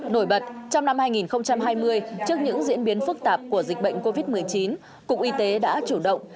nổi bật trong năm hai nghìn hai mươi trước những diễn biến phức tạp của dịch bệnh covid một mươi chín cục y tế đã chủ động